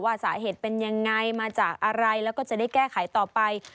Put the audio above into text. สาเหตุเป็นยังไงมาจากอะไรแล้วก็จะได้แก้ไขต่อไป